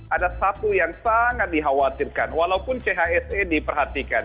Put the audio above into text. ada satu yang sangat dikhawatirkan walaupun chse diperhatikan